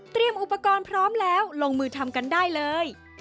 อุปกรณ์พร้อมแล้วลงมือทำกันได้เลย